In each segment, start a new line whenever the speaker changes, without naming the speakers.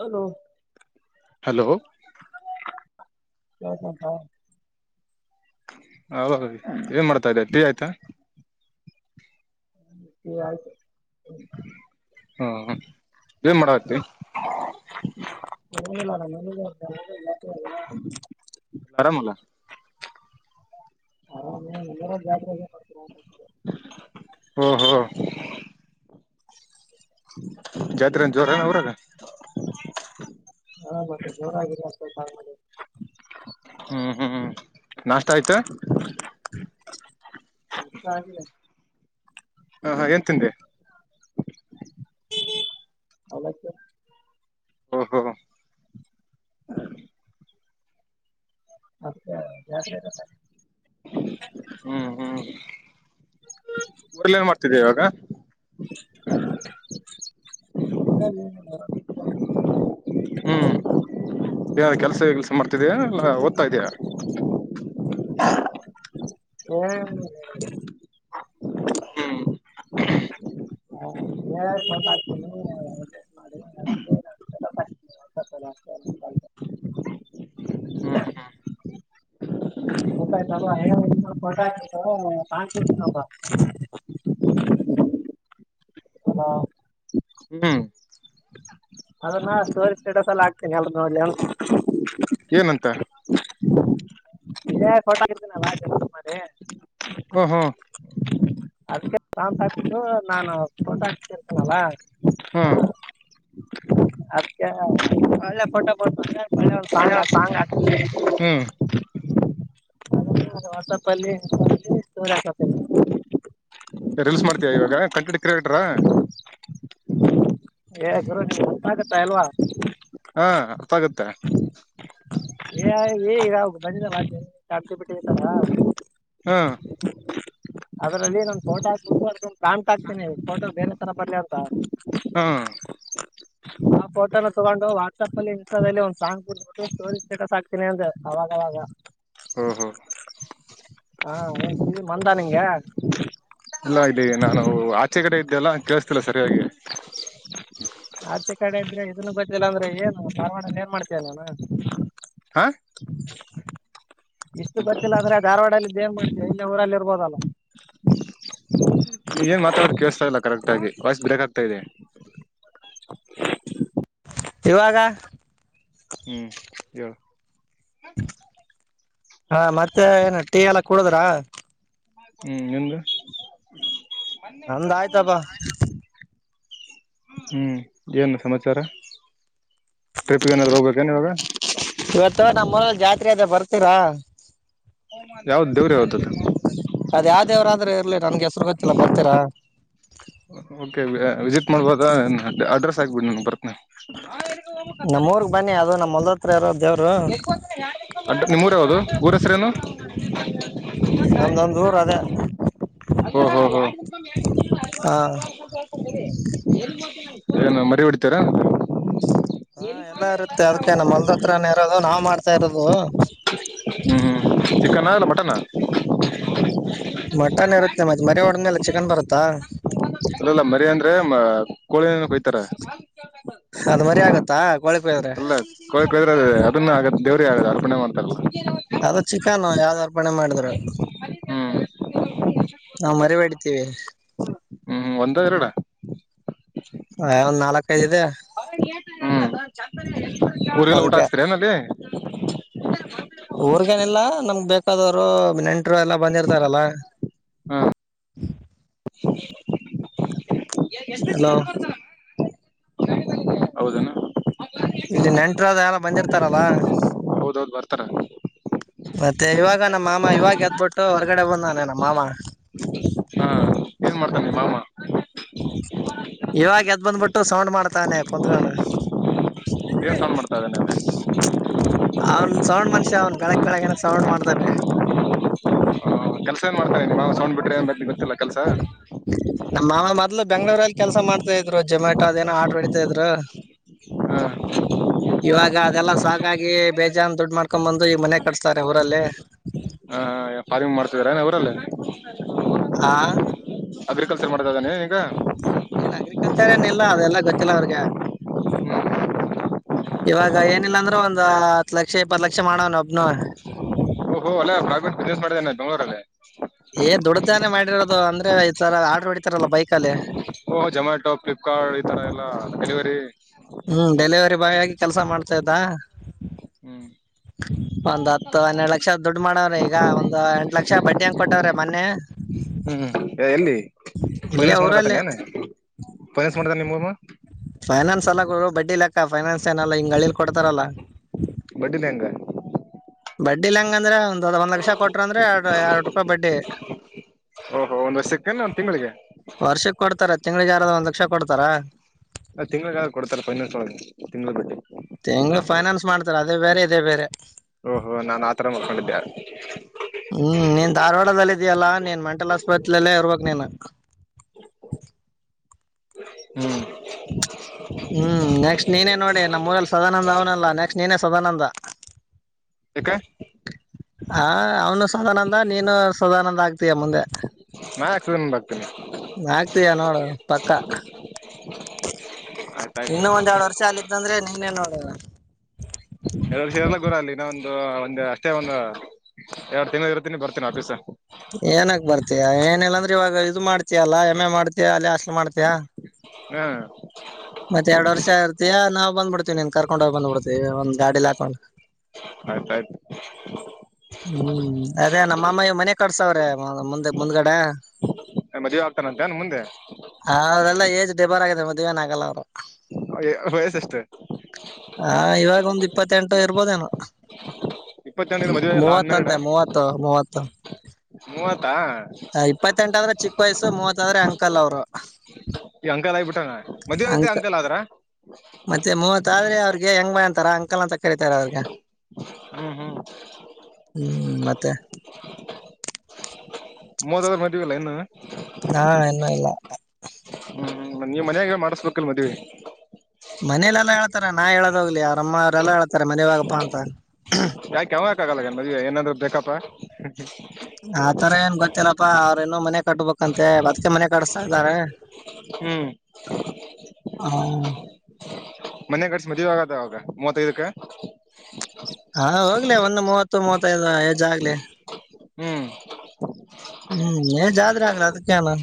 Hello
hello
[unintelligible] ಹಾ
ಅವಾಗ ಏನ್ ಮಾಡ್ತಾ ಇದ್ದೆ ಟೀ ಆಯ್ತಾ
ಟಿ ಆಯಿತು
ಹಾ ಏನ್ ಮಾಡಾತಿ
ಏನಿಲ್ಲಾ ನಮ್ ಮನಿಗೆ [unintelligible]
ಆರಾಮಲಾ
ಹ ನಿಮ್ಮರಾಗ ಜಾತ್ರಗ್ ಎನ್ ಮಾಡ್ತೀರಾ ಅಂತ ಕೇಳ್ದ
ಓಹೋ ಜಾತ್ರೆ ಎನ್ ಜೋರೇನ್ ಊರಾಗ
ಸ್ವಲ್ಪ್ ಹಾಂಗ್ ಮಾಡ್ಲಿ
ಹ್ಮ್ ಹ್ಮ್ ನಾಷ್ಟ ಆಯ್ತು
ನಾಸ್ಟ್ ಆಗಿಲ್
ಹಾ ಹಾ ಏನ್ ತಿಂದೆ
ಅವಲಕ್ಕಿ
ಹೊ ಹೋ [inaudible]
ಅದಕ್ಕೆ ಜಾತ್ರಿ ಆಗುತ್ತಾ
ಹ್ಮ್ ಹ್ಮ್ ಊರಲ್ಲ ಏನ್ ಮಾಡ್ತಿದಿಯ ಇವಾಗ
[inaudible] ಉರಾಗ್ ಎನ್ ಇಲ್ಲಾ ನೋಡ್ [unintelligible]
ಬೇ ಕೆಲ್ಸಾ ಗಿಲ್ಸಾ ಮಾಡ್ತಿಯಾ ಎನ್ ಇಲ್ಲಾ ಓದ್ತಾ ಇದೀಯಾ.
ಏನಿಲ್ಲಾ ಅದರಾಗ
ಹ್ಮ್
[inaudible]
ಹ್ಮ್
[inaudible] ಗೊತ್ತಾಯ್ತಲ್ವಾ [unintelligible] ಹಲೋ
ಹ್ಮ್
ಅದನ್ನ ಸ್ಟೋರಿ ಸ್ಟೇಟಸ್ ಅಲ್ ಹಾಕ್ತೀನಿ ಎಲ್ರೂ ನೋಡ್ಲಿ ಅಂತ್
ಏನಂತಾ
ಇದೇ ಫೋಟೋ ಹಾಕಿರ್ತೀನಿ ಅಲಾ ಕೆಲ್ಸಾ ಮಾಡಿ
ಹ್ಮ ಹ್ಮ್
ಇದು ನಾನು ತೋಟಾ ಹಾಕ್ತೀರ್ತಿನಲ್ಲಾ
ಹ್ಮ್
ಅದಕ್ಕೆ ಒಳ್ಳೇ ಫೋಟೋ ಬುಟ್ [unintelligible] ಒಳ್ಳೆ ಸಾಂಗ ಹಾಕ್ತೀನಿ
ಹ್ಮ್
ಅದು ವಾಟ್ಸಪಲ್ಲಿ ಅಲ್ಲಿ ಸ್ಟೋರಿ ಹಾಕೋತೀನಿ
ರಿಲ್ಸ್ ಮಾಡ್ತೀಯ ಇವಾಗ ಕಂಟೆಟ್ ಕ್ರಿಯೇಟ್ರಾ
ಏ ಗುರು ನಿಂಗ್ ಗೊತ್ತಾಗುತ್ತಾ ಇಲ್ವಾ
ಹಾ ಅರ್ಥ ಆಗತ್ತೆ.
ಎ ಐ ಇ ಈಗಾ ಬಂದಿದೆ ಅಲಾ ಕಾಲ್ಕಿ ಬಿಟ್ಟಿದಾರ.
ಹ್ಮ್
ಅದರಲ್ಲಿ ನನ್ ಫೋಟೋ ಹಾಕ್ಬಿಟ್ಟು ಅದಕ್ ಒಂದ್ ಪ್ಯಾಂಟ್ ಹಾಕ್ತೀನಿ ಫೋಟೋ ಬೇರೆ ತರಾ ಬರ್ಲಿ ಅಂತಾ.
ಹ್ಮ
ಆ ಫೋಟೋನ ತಗೊಂಡು ವಾಟ್ಸಆಪ್ ಅಲ್ಲಿ ಇನ್ಸ್ಟಾದಲ್ಲಿ ಒಂದ್ ಸಾಂಗ್ ಕುಡ್ಸ ಬಿಟ್ಟು ಸ್ಟೋರಿ ಸ್ಟೇಟಸ್ ಹಾಕ್ತೀನಿ ಅಂದೆ ಅವಾಗಅವಾಗ.
ಹೊ ಹೋ
ಹಾ ಏನ್ ಕಿವಿ ಮಂದ ನಿಂಗೆ
ಅಲ್ಲಾ ಇದೆ ನಾನು ಆಚೆ ಕಡೆ ಇ ಇದೆವಲ್ಲಾ ಕೇಳಸ್ತಿಲ್ಲ ಸರಿಯಾಗಿ
ಆಚೆ ಕಡೆ ಇದ್ರೆ ಇದನ್ನು ಗೊತ್ತಿಲ್ಲ ಅಂದ್ರೆ ಏನು ಧಾರವಾಡಲ್ಲಿ ಏನ್ ಮಾಡ್ತಿಯಾ ನೀನು
ಹಾಂ
ಇಷ್ಟು ಗೊತ್ತಿಲ್ಲ ಅದ್ರೆ ಧಾರವಾಡಲ್ಲಿದ ಏನ್ ಮಾಡ್ತಿಯಾ ಇಲ್ಲಿ ಊರಲ್ಲಿ ಇರ್ಬೋದಲ್ಲ
[unintelligible] ಏ ಮತ್ತ್ ತಡರಿ ಕೇಳಸ್ತಾ ಇಲ್ಲ ಕರೆಕ್ಟ್ ಆಗಿ ವಾಯ್ಸ್ ಬ್ರೇಕ್ ಆಗತಾ ಇದೆ.
ಇವಾಗ
ಹ್ಮ್ ಹೇಳ
ಹಾ ಮತ್ತೆ ಏನ ಟೀ ಎಲ್ಲ ಕುೂಡುದ್ರ.
ಹ್ಮ್ ನಿಮ್ದ
ನಂದ್ ಆಯ್ತಪ್ಪ
ಹ್ಮ್ ಏನ್ ಸಮಾಚಾರ ಟ್ರಿಪ್ ಏನಾದ್ರು ಹೋಗಬೇಕ
ಇವತ್ತು ನಮ್ಮ ಉರಲ್ ಜಾತ್ರೆ ಅದ ಬರ್ತೀರಾ
ಯಾವ್ದ್ ದೇವ್ರ ಯಾವ್ದದು
ಅದ ಯಾವ ದೇವರಾದ್ರೆ ಇರ್ಲಿ ನನ್ಗೆ ತುರ್ಗತ್ತಲ್ಲ ಬರ್ತೀರಾ
ಓಕೆ ವಿಸಿಟ್ ಮಾಡ್ಬದ ಅಡ್ರೆಸ್ ಹಾಕ್ಬಿಡಿ ನಾನ್ ಬರ್ತನ
ನಮ್ಮ ಊರಿಗ್ ಬನ್ನಿ ಅದು ನಮ್ಮ ಹೊಲದ ಹತ್ರ ಇರೋ ದೇವ್ರು
[unintelligible] ಆಂಟಿ ನಿಮ್ಮೂರ ಯಾವ್ದ ಊರ ಹೆಸರೇನು
ನಮ್ದೊಂದ ಊರ ಅದೇ
ಹ್ಮ್ ಹ್ಮ್ ಹ್ಮ್
ಹಾ
[unintelligible] ಏನು ಮರಿ ಹೊಡ್ತೀರಾ
ಹಾ ಎಲ್ಲ ಇರುತ್ತೆ ಅದ್ಕ ನಮ್ಮ ಹೋಲ್ಡ್ ಹತ್ರನ ಇರೋದು ನಾವ್ ಮಾಡ ತ ಇರೋದು
ಚಿಕನ್ನ ಅಲ್ಲ ಮಟನ್ನ
ಮಟನ್ ಇರುತ್ತೆ ಮತ್ತೆ ಮರಿ ಒಡ್ಮೇಲೆ ಚಿಕನ್ ಬರುತ್ತಾ
ಅ
ಅದ ಮರಿ ಆಗತ್ತಾ ಕೋಳಿ ಕುಯ್ದ್ರೆ
ಅಲ್ಲ ಕೊಳ ಕಳದ್ರ ಅ ಅದನ್ನ ಆಗತ್ತ ದೇವ್ರೇ ಆಗದ ಅರ್ಪಣೆ ಮಾಡ್ತಲ್ಲ
ಅದು ಚಿಕನ್ ಯಾವ್ದು ಅರ್ಪಣೆ ಮಾಡಿದರು
[inaudible] [unintelligible]
ನಾ ಮರಿಬೇಡಿತೇವಿ
ಹ್ಮ್ ಒಂದ ಎರಡ
ಹ ಒಂದ್ ನಾಲ್ಕೈದು ಇದೆ
ಹ್ಮ್ ಊರಿಗೆರಿಗೆಲ್ಲ ಊಟ
ಅದಕ್ಕ
ಹಾಕ್ಸ್ತರನಲ್ಲಿ
ಊರ್ಗೇನಿಲ್ಲಾ ನಮ್ಗ್ ಬೇಕಾದವರು ನೆಂಟ ಎಲ್ಲ ಬಂದಿರ್ತಾರಲ್ಲ ಹಲೋ
ಹೌದನಾ
ಇಲ್ಲಿ ನೆಂಟ್ರದ ಎಲ್ಲ ಬಂದಿರ್ತಾರಲ್ಲ
ಹೌದೌದು ಬರ್ತಾರ
ಮತ್ತೆ ಇವಾಗ ನಮ್ಮ ಮಾಮ ಇವಾಗ ಎದ್ಬಿಟ್ಟು ಹೊರ್ಗಡೆ ಬಂದ ನ ಮಾಮ
ಹ ಮಾಮಾ
ಇವಾಗ ಎದ್ ಬಂದ್ಬಿಟ್ಟು ಸೌಂಡ್ ಮಾಡ್ತಾನೆ ಕುತ್ಕೊಂಡ
ಏನ್ ಸೌಂಡ್ ಮಾಡ್ತಾ ಇದ್ದೇನೆ
ಅವ್ನ್ ಸೌಂಡ್ ಮನುಷ್ಯ ಅವನ್ ಬೆಳಗ್ ಬೆಳಗ್ ಏನ ಸೌಂಡ್ ಮಾಡ್ತಾನೆ
ಹ ಕೆಲ್ಸ ಏನ್ ಮಾಡ್ತಾ ಇದಿ ಸೌಂಡ್ ಬಿಟ್ರೆಏ ಬರ್ಲಿ ಗೊತ್ತಿಲ್ಲ ಕೆಲ್ಸ
ನಮ್ಮ್ನ ಮೊದ್ಲು ಬೆಂಗಳೂರಲ್ಲಿ ಕೆಲಸ ಮಾಡ್ತಾ ಇದ್ರು ಜೊಮ್ಯಾಟೊ ಅದೇನೋ ಆಡ್ರರ್ ಹೊಡಿತಾ ಇದ್ರು
ಹ
ಇವಾಗ ಅದೆಲ್ಲ ಸಾಕ್ ಆಗಿ ಬೇಜನ್ ದುಡ್ಡು ಮಾಡ್ಕೊಂಡ್ ಬಂದು ಈ ಮನೆ ಕಟ್ಸ
ಹಾ ಫಾರ್ಮಿಂಗ್ ಮಾಡ್ತಿದಾರನ ಅವರಲ್ಲೇ
ಹಾ
ಅಗ್ರಿಕಲ್ಚರ್ ಮಾಡ್ತಾ ಇದ್ದಾನೆ ಈಗ
ಏನ್ ಅಗ್ರಿಕಲ್ಚರ್ ಏನ್ ಎಲ್ಲ ಅದೆಲ್ಲ ಗೊತ್ತ [unintelligible] ಇವಾಗ ಏನಿಲ್ಲಾಂದ್ರ ಒಂದ್ ಹತ್ ಲಕ್ಷ ಇಪ್ಪತ್ ಲಕ್ಷ ಮಾಡವನೊಬ್ನು
ಓ ಅಲ್ಲೇ ಬಿಸ್ನೆಸ್ ಮಾಡೇನೆ ಬೆಂಗಗಳೂರಲ್ಲಿ
ಏ ದುಡ್ಡ್ದಾನೆ ಮಾಡಿರೋದು ಅಂದ್ರೆ ಈ ತರ ಆಡ್ರರು ಹೊಡಿತಾರಲ್ಲ ಬೈಕ ಅಲ್ಲಿ
ಓಹ ಜೊಮ್ಯಾಟೊ ಫ್ಲಿಪ್ಕಾರ್ಟ್ ಈ ತರ ಎಲ್ಲಾ ಡೆಲಿವರಿ
ಹ್ಮ್ ಡೆಲಿವರಿ ಬಾಯ್ ಆಗಿ ಕೆಲ್ಸ ಮಾಡ್ತಾ ಇದ್ದಾ
ಹ್ಮ್
ಒಂದ್ ಹತ್ತು ಹನ್ನೆರಡು ಲಕ್ಷ ದುಡ್ಡು ಮಾಡವ್ರೆ ಈಗ ಒಂದು ಎಂಟ ಲಕ್ಷ ಬಡ್ಡಿ ಹಂಗ ಕೊಟ್ಟವ್ರೆ ಮೊನ್ನೆ
ಹ್ಮ್ ಎಲ್ಲಿ
ಇಲ್ಲೇ
ಫೈನಾನ್ಸ್ ಮಾಡಕತಾನೆ
ಊರಲ್ಲಿ
ಏನ್ ಫೈನಾನ್ಸ್ ಮಾಡ್ತಾನ ನಿಮ್ಮಮ್ಮ
ಫೈನಾನ್ಸ್ ಎಲ್ಲ ಬಡ್ಡಿ ಲೆಕ್ಕಾ ಅಕ್ಕ ಫೈನಾನ್ಸ್ ಏನಲ್ಲ ಹಿಂಗ ಅಳಿಲು ಕೊಡ್ತಾರಲ್ಲ
ಬಡ್ಡಿ ಲಂಗ
ಬಡ್ಡಿಲಿಂಗಗೆ ಅಂದ್ರೆ ಒಂದ್ ಅದ ಒಂದ್ ಲಕ್ಷ ಕೊಟ್ರ ಅಂದ್ರೆ ಎರಡು ಎರಡು ರೂಪಾಯಿ ಬಡ್ಡಿ
ಕನ್ನನ್ ತಿಂಳಿಗೆ
ವರ್ಷಕ್ ಕೊಡ್ತಾರ ತಿಂಗಳಿ ಗೆ ಯಾರ ಒಂದ್ ಲಕ್ಷ ಕೊಡ್ತಾರ
ತಿಂಗಳ ಕೊಡ್ತಾರೆ ಫೈನಾನ್ಸ್ ಒಳಗೆ ತಿಂಗಳಳಗ್ ಬಟ್ಟಿ
ತೆಂಗಳ ಫೈನಾನ್ಸ್ ಮಾಡ್ತಾರೆ ಅದೇ ಬೇರೆ ಇದೇ ಬೇರೆ
ಓಹೋ ನಾನ್ ಆತರ ಮತ್ಕೊಂಡಿದ್ದೆ
ಧಾರವಾಡದಲ್ಲ ಇದ್ಯಲ್ಲಾ ನೀನ್ ಮೆಂಟಲ್ ಆಸ್ಪತ್ರೆಲ್ಲೇ ಇರ್ಬೇಕಕ್ ನೀನ್
ಹ್ಮ್
ಹ್ಮ್ ನೆಕ್ಸ್ಟ್ ನೀನೇ ನೋಡಿ ನಮ್ಮ ಊರಲ್ಲಿ ಸದಾನಂದ ಅವ್ನಲ್ಲ ನೆಕ್ಸ್ಟ್ ನೀನೇ ಸದಾನಂದ
ಯಾಕೆ
ಹ ಅವನು ಸದಾನಂದ ನೀನು ಸದಾನಂದ ಆಗ್. ಆಗತಿಯ ಮುಂದೆ.
[inaudible] ದಿನ ಬ
ಆಗ್ತಯಾ ನೋಡು ಪಕ್ಕ
ಆಯ್ತಾಯ್ತು
ಇನ್ನು ಒಂದ್ ಎರಡ್ ವರ್ಷ ಅಲ್ಲಿದ್ದಂದ್ರೆ ನೀನ ನ್ ನೋಡದ.
ಎಷ ಎಲ್ಲ ಗುರ ಅಲ್ಲಿ ನಾನ ಒಂದು ಒಂದ್ ಅಷ್ಟೇ ಒಂದು ಎರಡು ತಿಂಗ್ಗಳು ಇರುತ್ತೀನಿ ಬರ್ತೀನಿ ಆಫೀಸ್.
ಏನಕ್ ಬರ್ತ ಮ ಏನಿಲ್ಲ ಅಂದ್ರೆ ಇವಾಗ ಇದು ಮಾಡ್ತಯಲ್ಲಾ ಹೆಮ್ಮೆ ಮಾಡ್ತಿಯಯ ಅಲ್ಲಿ ಅಸ್ಲ್ ಮಾಡ್ತಯಾ
ಹ್ಮ
ಮತ್ತತ್ ಎರಡ್ ವರ್ಷ ಆ ಇತಿಯ ನಾವು ಬಂದ್ಬಡ್ತಿವಿ ನೀನ್ ಕರ್ಕೊಂಡ ಹೋಗು ಬಂದ್ಬಡ್ತಿವಿ ಒಂದ್ ಗಾಡಿಲಿ ಹಾಕೊಂಡ್
ಆಯ್ತಾಯ್ತು
ಹ್ಮ್ ಅದೇ ನಮ್ಮಮಾಯ ಮನೆ ಕಡ್ಸವ್ರೆ ಮುಂದೆ ಮುಂದ್ಗಡೆ.
ಮಜೆ ಆಗ್ತಾನ.
ಹ ಅದೆಲ್ಲ ಏಜ್ ಡಿಬರ್ ಆಗಿದೆ ಮದ್ವೆನ ಆಗಲ್ಲ ಅವರು.
ವಯಸ್ಸ ಎಷ್ಟು
ಹಾ ಇವಾಗ ಒಂದ್ ಇಪ್ಪತ್ತೆಂಟು ಇರ್ಬೋದೇನ.
ಇಪ್ಪತ್ತೊಂದಿನ ಮದ್ವೆ ಅಲ್ಲ
ಮೂವತ್ತ ಅಂತೆ ಮೂವತ್ತು ಮೂವತ್ತು.
ಮೂವತ್
ಹ ಇಪ್ಪತ್ತೆಂಟ ಆದ್ರೆ ಚಿಕ್ಕ ವಯಸ್ಸು ಮೂವತ್ ಆದ್ರೆ ಅಂಕಲ್ ಅವರು.
ಈಗ ಅಂಕಲ್ ಆಗ್ಬಿಟ್ಟಂಗ ಮದ್ವೆ ಆಗ್ತೀಯ ಅಂಕಲ್ ಆದ್ರ
ಮತ್ತೆ ಮೂವತ್ ಆದ್ರೆ ಅವ್ರಿಗೆ ಹೆಂಗ ಬಾಯ ಅಂತಾರ ಅಂಕಲ್ ಅಂತ ಕರತಾರ ಅವ್ರಗ.
ಹ್ಮ್ ಹ್ಮ್
ಹ್ಮ್ ಮತ್ತೆ
ಮೂದಾದ್ರರು ಮದವಲ್ಲ ಇನ್ನು.
ಹಾ ಇನ್ನುೂ ಇಲ್ಲ
ಹ್ಮ್ ನೀ ಮನ್ಯಾಗ ಮಾಡಸ್ಬೇಕಲ್ ಮದ್ವೆ
ಮನೇಲೆೆಲ್ಲಾ ಹೇಳ್ತಾರ ನಾ ಹೇಳೋದ ಹೋಗ್ಲಿ ಅವರಮ್ಮ ಅವರೆಲ್ಲಾ ಹೇಳ್ತಾರೆ ಮನೆವಾಗಪ್ಪಾ ಅಂತ.
ಯಾಕೆ ಅವಂಗಕ ಆಗಲ್ಲ ಮದವೆ ಏನಾದ್ರು ಬೇಕಪ್ಪಾ.
ಆತರ ಏನ್ ಗೊತ್ತಿಲ್ಲ ಅಪ್ಪಾ ಅವ್ರೇನೋ ಮನೆ ಕಟ್ಬೇಕಂತೆ ಬದಕೆ ಮನೆ ಕಟ್ಸಸ್ತಾ ಇದ್ದಾರೆ.
ಹ್ಮ್.
ಹ
ಮನೆ ಕಡ್ಸ ಮದ್ವೆ ಆಗದ ಅವಾಗ ಮೂವತ್ತೈದಕ್ಕೆ.
ಹಾ ಹೋಗ್ಲಿ ಒಂದು ಮೂವತ್ತು ಮೂವತ್ತೈದು ಯಜ್ ಆಗ್ಲಿ
ಹ್ಮ್
ಹ್ಮ್ ಏನ್ ಜಾದರ ಆಕಲ ಅದಕ್ಕಣ [inaudible]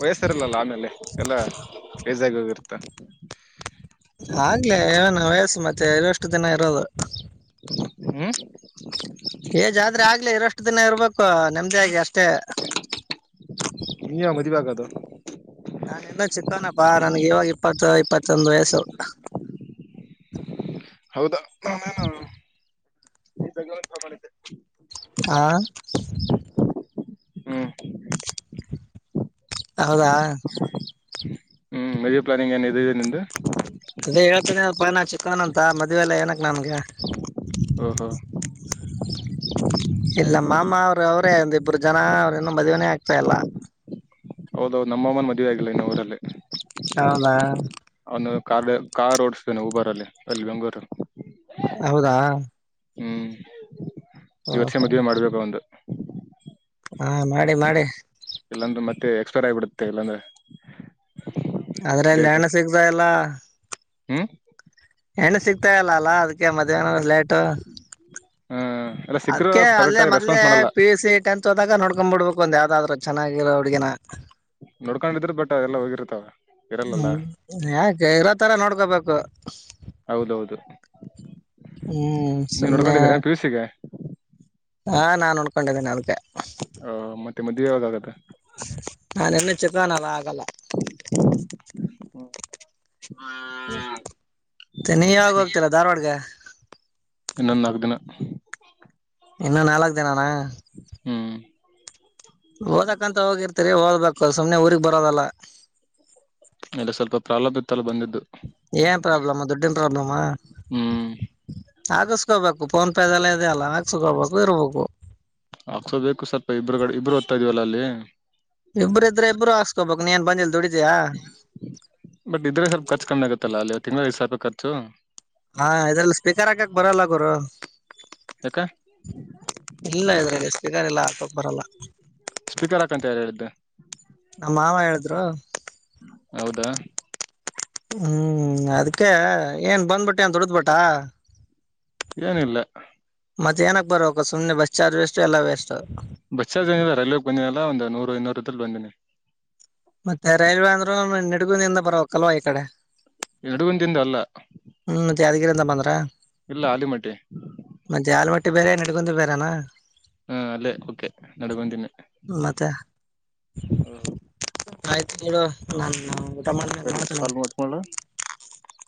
ವಯಸ್ಸ ಇರಲ್ಲಲ್ಲ ಆಮೇಲೆ ಎಲ್ಲಾ ಬೇಜಾಗಿ ಹೋಗಿರ್ತ
ಆಗ್ಲೇ ಏನು ವಯಸ್ಸು ಮತ್ತೆ ಎಷ್ಟು ದಿನ ಇರೋದು.
ಹ್ಮ್
ಏಜಾದ್ರೆ ಆಗ್ಲಿ ಇರಷ್ಟು ದಿನ ಇರ್ಬೇಕು ನೇಮ್ಡಿಯಾಗಿ ಅಷ್ಟೇ.
ಇ [inaudible] ದು
ನಾನು ಇನ್ನೂ ಸಂದು ವಯಸು.
ಹೌದಾ ನಾನೇನು ಈ ಮಾಡಿದ್ದೆ.
ಹ
ಹ್ಮ್
ಹೌದಾ
ಹ್ಮ್ ಮಜ ಪ್ಲಾನಿಂಗ್ ಏನ್ದೆ ನಿಂದು.
ಮ ಪನ ಚಿಕನ್ ಅಂತ ಮದ್ವೆಲ್ಲ ಏನಕ್ಕೆ ನಮ್ಗೆ
ಓಹೋ
ಇಲ್ಲ ಮಾಮ ಅವರ ಅವರು ಒಂದ್ ಇಬ್ರು ಜನ ಅವ್ರೇನು ಮದ್ನೆೇ ಆಗ್ತಾ ಇಲ್ಲ
ಹೌದೌದು ನಮ್ಮ ಮಾಮಾನ್ ಮದುವೆ ಆಗಿಲ್ಲ ಇನ್ನು ಊರಲ್ಲಿ
ಹೌದ
ಅವನು ಕಾಲ್ ಕಾರ್ ಓಡಸ್ತೇನೆ ಊಬರ್ ಅಲ್ಲಿ ಅಲ್ಲಿ ಬೆಂಗಳೂರು.
ಹೌದಾ
ಹ್ಮ್ ಈ ವರ್ಷ
ಓಹೋ
ಮದ್ವೆ ಮಾಡ್ಬೇಕು ಒಂದು.
ಹಾ ಮಾಡಿ ಮಾಡಿ
ಇಲ್ಲಾಂದ್ರೆ ಮತ್ತೆ ಎಕ್ಸ್ಪೈರ್ ಆಗಿಬಿಡುತ್ತೆ ಇಲ್ಲಾಂದ್ರೆ
ಆದ್ರೆ
ಡೇಟ್
ನ್ಯಾಣ ಸಿಗ್ತ ಇಲ್ಲಾ
ಹ್ಮ್
ಹೆಣ್ಣ ಸಿಕ್ತಾ ಇಲ್ಲ ಅಲ್ಲಾ ಅದ್ಕ್ಕೆ ಮದ್ವೆನು ಲೇಟು
ಆ ಎಲ್ಲ ಸಿಕ್ಕರು
ಅದ್ಕ್ಕೆ
ಕರೆಕ್ಟ್
ಅಲ್ಲೇ
ಆಗಿ
ಮದ್ಲೆ
ರೆಸ್ಪಾನ್ಸ್ ಮಾಡಲ್ಲ
ಪಿ ಯು ಸಿ ಟೆಂತ್ ಹೋದಾಗ ನೋಡ್ಕೊ ಬಿಡ್ಬೇಕು ಒಂದ್ ಯಾವ್ದಾದ್ರು ಚೆನ್ನಾಗಿರ ಹುಡ್ಗಿನ
ನೋಡ್ಕೊಂಡಿದ್ರು ಬಟ್ ಅದೆಲ್ಲ ಹೋಗಿರ್ತಾವ ಇರಲ್ಲಲ್ಲ
ಹ್ಮ ಯಾಕ ಇರ ತರ ನೋಡ್
ಹೌದೌದು ನೀವ್ ನೋಡ್ಕೊಂಡಿದ್ದೀರಾ
[unintelligible]
ಪಿ ಯು ಸಿಗೆ
ಹಾ ನಾನ್ ನೋಡ್ಕೊಂಡಿದ್ದೇನೆ ಅದ್ಕೆ
ಹ ಮತ್ತೆ ಮದುವೆ ಯಾವಾಗಾಗ್ತ್ತೆ
ನಾನ್ ಇನ್ನು ಚಿಕ್ಕವನಲ್ಲ ಆಗಲ್ಲ
ಹ್ಮ
ನೀ ಯಾವಗ್ ಹೋಗ್ತಿರ ಧಾರ್ವಾಡಗೆ
ಇನ್ನೊಂದು ನಾಲ್ಕದಿನ
ಇನ್ನು ನಾಲ್ಕ್ ದಿನಾನ
ಹ್ಮ್
ಓದಕಂತ ಹೋಗಿರ್ತರಿ ಓದ್ಬೇಕು ಸುಮ್ನೆ ಊಗ್ ಬರೋದಲ್ಲ
ಇಲ್ಲ ಸ್ವಲ್ಪ ಪ್ರಲಭಿತಲ್ಲ ಬಂದಿದ್
ಏನ್ ಪ್ರಾಬ್ಲಮ ದುಡ್ಡನ್ ಪ್ರಾಬ್ಲಮ
ಹ್ಮ್
ಆಗಸ್ಕೋಬೇಕು. ಫೋನ್ ಪೆದಲ್ಲಿ
ಹಕ್ಸೋ ಬೇಕು ಸ್ವಲ್ಪ ಇಬರುಗಡೆ ಇಬ್ಬರು ಓದ್ತ ಇದೀವಲ್ಲ ಅಲ್ಲಿ.
ಇಬ್ಬರು ಇದ್ರೆ ಇಬ್ರು ಹಾಕೋಬೇಕು ನೀ ಏನ್ ಬಂದಿ ಇಲ್ಲಿ ದುಡಿ.
ಬಟ್ ಇದ್ರೆ ಸ್ವಲ್ಪ ಖರ್ಚು ಕಮ್ಮೆ ಆಗತ್ತಲ್ಲಾ ಅಲ್ಲಿತ್ತು ತಿಂಗಳ ಐದು ಸಾವಿ ರೂಪಾಯಿ ಖರ್ಚು
ಹಾ ಇದ್ರಲ್ಲಿ ಸ್ಪೀಕರ್ ಹಾಕಕ್ ಬರಲ್ಲ ಗುರು.
ಯಾಕ
ಇಲ್ಲ ಇದ್ರಲ್ಲಿ ಸ್ಪೀಕರ್ ಎಲ್ಲ ಅಕಾಕ್ ಬರಲ್ಲ
ಸ್ಪೀಕರ್ ಹಾಕಂತ ಯಾರ್ ಹೇಳಿದ್ದೆ
ನಮ್ ಮಾವ ಹೇಳಿದ್ರು
ಹೌದಾ
ಹ್ಮ್ ಅದ್ಕ್ಕೆ ಏನ್ ಬಂದ್ಬಿಟ್ಟೆ ಏನ್ ದುಡ್ದಕ್ ಬುಟಾ
ಏನಿಲ್ಲ
ಮತ್ತೆ ಏನಕ್ಕೆ ಬರಬೇಕು ಸುಮ್ಮನೆ ಬಸ್ ಚಾರ್ಜ್ ವೇಸ್ಟ್ ಯಲ್ಲ ವೇಸ್ಟ್
ಬಸ್ ಚಾರ್ಜ್ ಏನಿಲ್ಲ ರೈಲ್ವೆಗ್ ಬಂದಿನನಲ್ಲ ಒಂದು ನೂರು ಇನ್ನೂರು [unintelligible] ಬಂದೀನಿ
ಮತ್ತೆ ರೈಲ್ವೆ ಅಂದ್ರು ನಿಡುಗುನಿಂದ ಬರಕ್ಲ್ವಾ ಈ ಕಡೆ
ನಡುಗನ್ ದಿಂದ ಅಲ್ಲ
ಹ್ಮ್ ಮತ್ ಯಾದಗಿರಿಯಿಂದ ಬಂದ್ರ
ಇಲ್ಲ ಅಲಿಮಟ್ಟೆ
[unintelligible] ನಡ್ಕೊಂಡು ಬೇರೆನಾ
ಹಾ ಅಲ್ಲೇ ಓಕೆ ನಡ್ಗಂದೀನಿ.
ಮತ್ತೆ ಆಯ್ತು ಇರು ನನ್ ಊಟ ಮಾಡ
ಸರಿ
ಮಾಡ್ತನೆ
ಕಾಲ್ ಮಾಡ್ಕೊಳ್ಳ
[unintelligible]